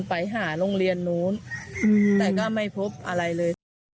ไปหาโรงเรียนนู้นแต่ก็ไม่พบอะไรเลย